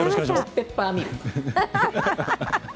オッペッパーミル！